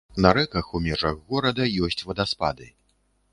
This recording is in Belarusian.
На рэках у межах горада ёсць вадаспады.